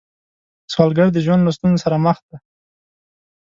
سوالګر د ژوند له ستونزو سره مخ دی